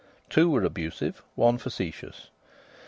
Two were abusive, one facetious.